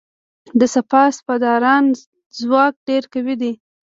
د سپاه پاسداران ځواک ډیر قوي دی.